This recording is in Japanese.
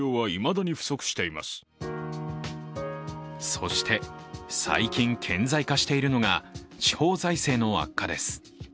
そして最近、顕在化しているのが、地方財政の悪化です。